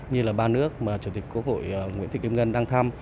như là ba nước mà chủ tịch quốc hội nguyễn thị kim ngân đang thăm